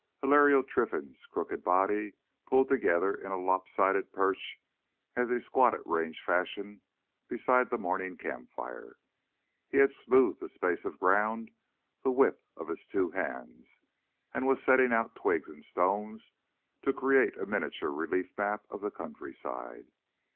Hilario Trinfan's crooked body pulled together in a lopsided perch as he squatted range fashion beside the morning campfire. He had smoothed a space of ground the width of his two hands and was setting out twigs and stones to create a miniature relief map of the countryside.